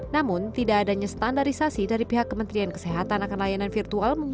namun tidak adanya standarisasi dari pihak kementerian kesehatan akan layanan virtual